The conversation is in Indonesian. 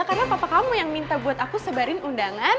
karena papa kamu yang minta buat aku sebarin undangan